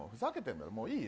もういいよ